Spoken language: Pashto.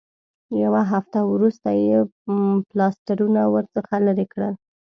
یوه هفته وروسته یې پلاسټرونه ورڅخه لرې کړل.